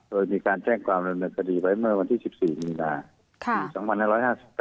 โดยมีการแจ้งกรรมรับลดคดีไว้เมื่อวันที่๑๔นิวนาที